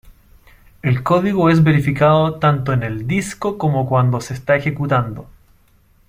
El código es verificado tanto en el disco como cuando se está ejecutando.